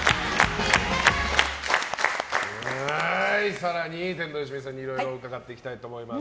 更に天童よしみさんにいろいろ伺っていきたいと思います。